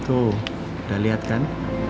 tuh udah lihat kan